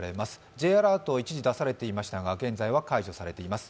Ｊアラートが一時出されていましたが現在は解除されています。